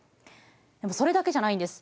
でもそれだけじゃないんです。